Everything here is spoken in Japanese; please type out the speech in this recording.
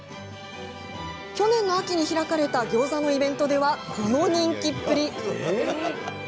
去年の秋に開かれたギョーザのイベントではこの人気っぷり。